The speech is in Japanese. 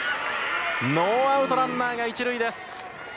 ノーアウト、ランナーが１塁。